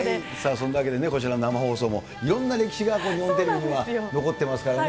そんなわけでね、こちらの生放送も、いろんな歴史が日本テレビには残ってますからね。